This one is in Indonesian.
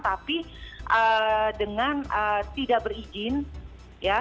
tapi dengan tidak berizin ya